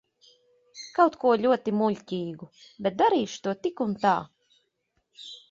Kaut ko ļoti muļķīgu, bet darīšu to tik un tā.